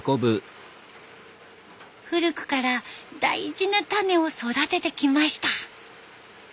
古くから大事な種を育ててきました。